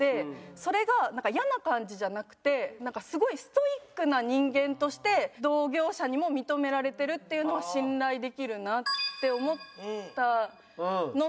それが嫌な感じじゃなくてすごいストイックな人間として同業者にも認められてるっていうのは信頼できるなって思ったのと。